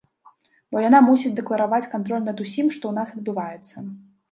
Бо яна мусіць дэклараваць кантроль над усім, што ў нас адбываецца.